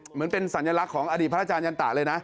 เหมือนเป็นสัญลักษณ์ของอดีตพระอาจารยันตะเลยนะ